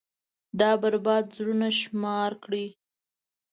دا بـربـاد زړونه شمار كړئ.